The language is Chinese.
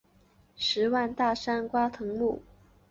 十万大山瓜馥木